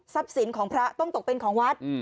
สินของพระต้องตกเป็นของวัด